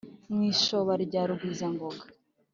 mu ishoba rya rugwizangoga